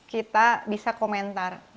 kita bisa komentar